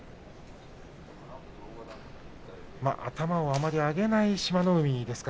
頭をあまり上げない志摩ノ海。